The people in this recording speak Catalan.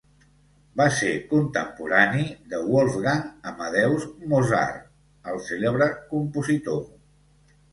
Va ser contemporani de Wolfgang Amadeus Mozart, el cèlebre compositor.